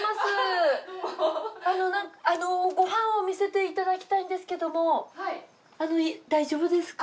あのご飯を見せていただきたいんですけれども大丈夫ですか？